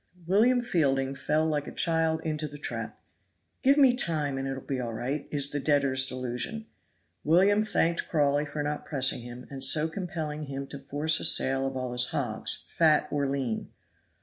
William Fielding fell like a child into the trap. "Give me time, and it will be all right," is the debtor's delusion. William thanked Crawley for not pressing him, and so compelling him to force a sale of all his hogs, fat or lean.